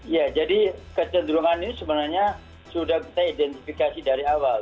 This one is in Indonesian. ya jadi kecenderungan ini sebenarnya sudah kita identifikasi dari awal